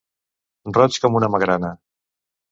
Roig com una magrana.